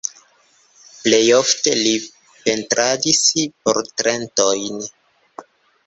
Plej ofte li pentradis portretojn.